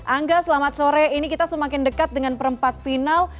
angga selamat sore ini kita semakin dekat dengan perempat final